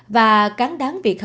và cán đáng việc khóa